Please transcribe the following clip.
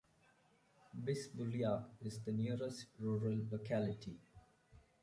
Bizhbulyak is the nearest rural locality.